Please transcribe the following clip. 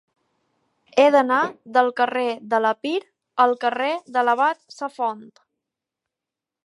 He d'anar del carrer de l'Epir al carrer de l'Abat Safont.